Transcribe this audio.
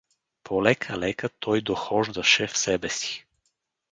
Полека-лека той дохождаше в себе си.